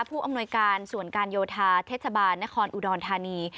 ผู้อำนวยการส่วนการโยธาเทศบาลนครอุดรธานี